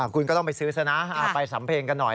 คุณก็ต้องไปซื้อซะนะไปสำเพงกันหน่อย